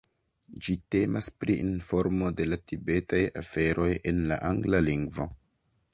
Ĝi temas pri informo de la tibetaj aferoj en la angla lingvo.